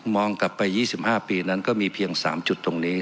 กลับไป๒๕ปีนั้นก็มีเพียง๓จุดตรงนี้